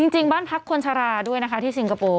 จริงบ้านพักคนชะลาด้วยนะคะที่สิงคโปร์